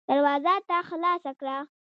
دروازه تا خلاصه کړه.